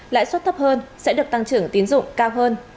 lãi suất thấp hơn sẽ được tăng trưởng tiến dụng cao hơn